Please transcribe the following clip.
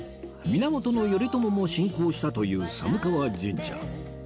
源頼朝も信仰したという寒川神社